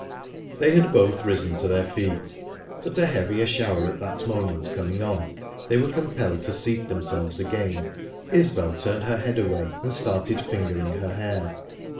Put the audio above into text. They had both risen to their feet, but a heavier shower at that moment coming on, they were compelled to seat themselves again. Isbel turned her head away, and started fingering her hair.